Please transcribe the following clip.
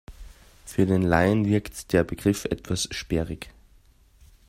Für den Laien wirkt der Begriff etwas sperrig.